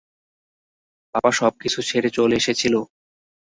পাপা সব কিছু ছেড়ে চলে এসেছিল।